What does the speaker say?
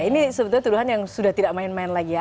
ini sebetulnya tuduhan yang sudah tidak main main lagi ya